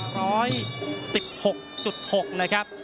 ร้อย๑๖๖นะครับ